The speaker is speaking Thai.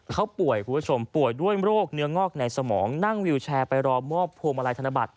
เขาป่วยคุณผู้ชมป่วยด้วยโรคเนื้องอกในสมองนั่งวิวแชร์ไปรอมอบพวงมาลัยธนบัตร